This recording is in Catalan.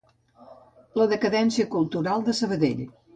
La decadència cultural de Sabadell.